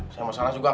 sama salah juga